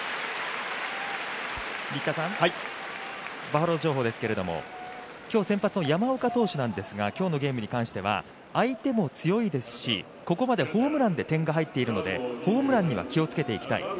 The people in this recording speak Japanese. バファローズ情報ですけど今日先発の山岡投手ですが、今日のゲームに関しては相手も強いですし、ここまでホームランで点が入っているのでホームランには気をつけていきたい。